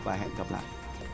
và hẹn gặp lại